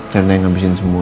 karena yang ngabisin semua ya